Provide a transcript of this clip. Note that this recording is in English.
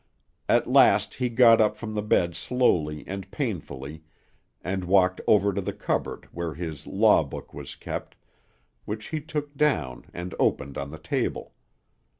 At last he got up from the bed slowly and painfully, and walked over to the cupboard where his law book was kept, which he took down and opened on the table.